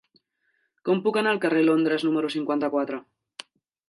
Com puc anar al carrer de Londres número cinquanta-quatre?